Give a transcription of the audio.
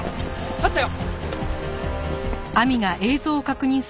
あったよ。